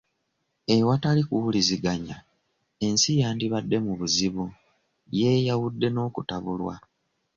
Ewatali kuwuliziganya, ensi yandibadde mu buzibu, yeeyawudde n'okutabulwa.